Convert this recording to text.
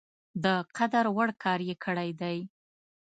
د قدر وړ کار یې کړی دی.